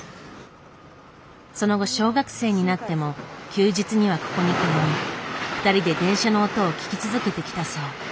その後小学生になっても休日にはここに通い２人で電車の音を聞き続けてきたそう。